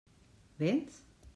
Véns?